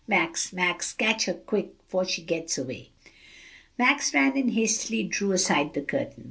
"Max, Max, catch her quick, 'fore she gets away!" Max ran and hastily drew aside the curtain.